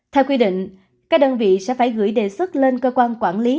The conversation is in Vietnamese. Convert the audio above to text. theo quy định các đơn vị sẽ phải gửi đề xuất lên cơ quan quản lý